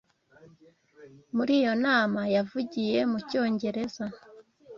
Muri iyo nama yavugiye mu Cyongereza